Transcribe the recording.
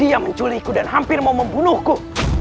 iya menculikku dan hampir mau membunuhku